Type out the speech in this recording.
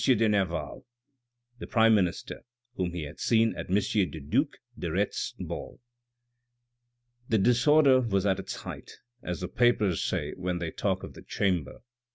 de Nerval, the prime minister, whom he had seen at M. the due de Retz's ball. The disorder was at its height, as the papers say when they talk of the Chamber.